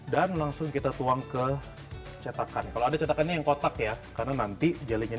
dan langsung kita tuang ke cetakan kalau ada cetakannya yang kotak ya karena nanti jelinya